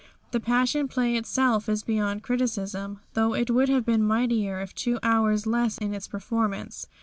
The Passion Play itself is beyond criticism, though it would have been mightier if two hours less in its performance.